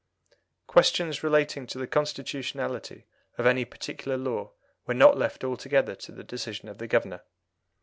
Questions relating to the constitutionality of any particular law were not left altogether to the decision of the Governor.